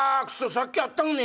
さっきあったのに。